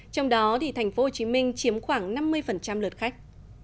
trong đó thành phố hồ chí minh chiếm khoảng năm mươi lượt khách